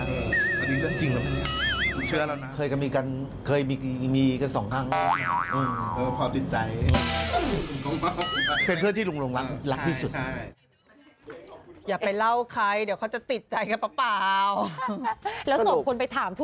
อันนี้ก็จริงแล้วมึงเชื่อแล้วนะเคยมีกัน๒ครั้ง